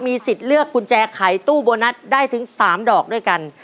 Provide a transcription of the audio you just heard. สิทธิ์เลือกกุญแจขายตู้โบนัสได้ถึง๓ดอกด้วยกัน